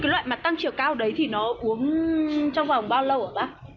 như cái loại mà tăng chiều cao đấy thì nó uống trong vòng bao lâu ạ bác